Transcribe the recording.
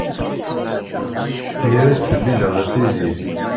Mi ara d-teḍilleḍ a tiziri.